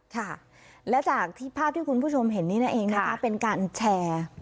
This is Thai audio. ค่ะและจากที่ภาพที่คุณผู้ชมเห็นนี่นั่นเองนะคะเป็นการแชร์